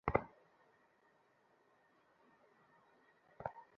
বাকি দুটো ম্যাচের একটি টাই হলেও অপরটি বৃষ্টির কারণে পরিত্যক্ত হয়।